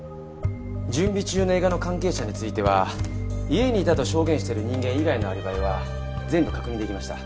準備中の映画の関係者については家にいたと証言している人間以外のアリバイは全部確認できました。